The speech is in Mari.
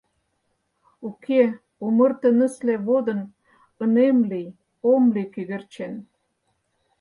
Уке, умыр тынысле водын Ынем лий, ом лий кӧгӧрчен.